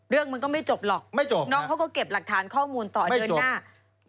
เรื่องมันก็ไม่จบหรอกไม่จบน้องเขาก็เก็บหลักฐานข้อมูลต่อเดือนหน้า